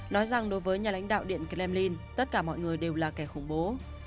nói rằng đối với nhà lãnh đạo điện kremlin tất cả mọi người đều là kẻ khủng bố